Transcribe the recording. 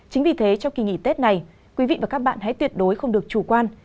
chính vì thế trong kỳ nghỉ tết này quý vị và các bạn hãy tuyệt đối không được chủ quan